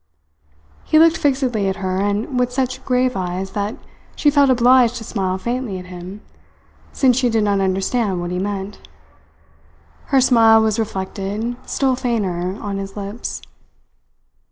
He looked fixedly at her, and with such grave eyes that she felt obliged to smile faintly at him, since she did not understand what he meant. Her smile was reflected, still fainter, on his lips.